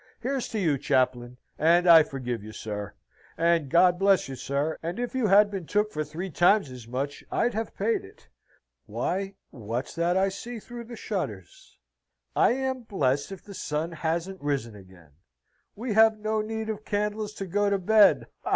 "Here's to you, Chaplain and I forgive you, sir and God bless you, sir and if you had been took for three times as much, I'd have paid it. Why, what's that I see through the shutters? I am blest if the sun hasn't risen again! We have no need of candles to go to bed, ha, ha!"